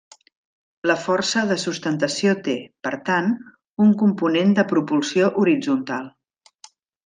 La força de sustentació té, per tant, un component de propulsió horitzontal.